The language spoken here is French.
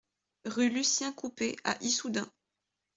Rue Lucien Coupet à Issoudun